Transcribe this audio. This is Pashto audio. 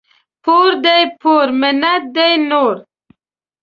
پور دي پور ، منت دي نور.